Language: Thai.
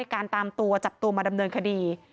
การตามตัวจับตัวมาดำเนินคดี